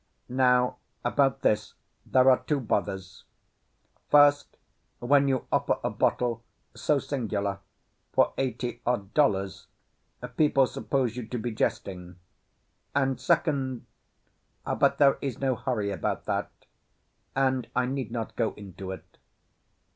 Now, about this there are two bothers. First, when you offer a bottle so singular for eighty odd dollars, people suppose you to be jesting. And second—but there is no hurry about that—and I need not go into it.